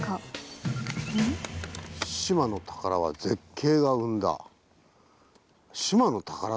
「志摩の宝は絶景が生んだ⁉」。